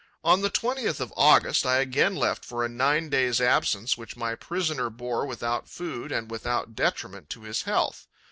On the 20th of August, I again left for a nine days' absence, which my prisoner bore without food and without detriment to his health.